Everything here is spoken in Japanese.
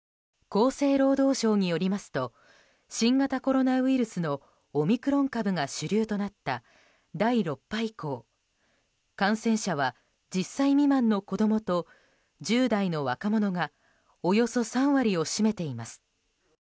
厚生労働省によりますと新型コロナウイルスのオミクロン株が主流となった第６波以降感染者は１０歳未満の子供と１０代の若者がおよそ３割を占めています。